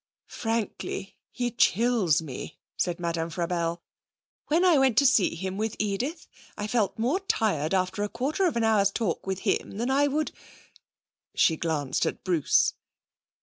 'Frankly, he chills me,' said Madame Frabelle. 'When I went to see him with Edith, I felt more tired after a quarter of an hour's talk with him than I would ' She glanced at Bruce.